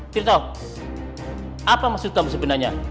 tirtok apa maksud kamu sebenarnya